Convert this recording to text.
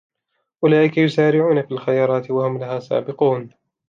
أولئك يسارعون في الخيرات وهم لها سابقون